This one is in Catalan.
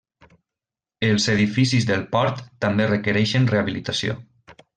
Els edificis del port també requereixen rehabilitació.